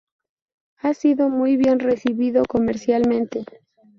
Ha sido muy bien recibido comercialmente.